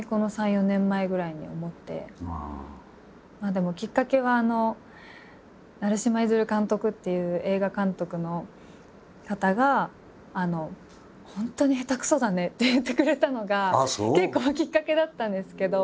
でもきっかけは成島出監督っていう映画監督の方が「本当に下手くそだね」って言ってくれたのが結構きっかけだったんですけど。